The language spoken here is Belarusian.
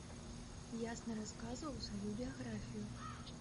Ясна расказаў сваю біяграфію.